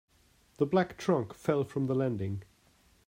The black trunk fell from the landing.